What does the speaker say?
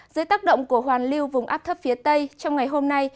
dưới tác động của hoàn lưu vùng áp thấp phía tây trong ngày hôm nay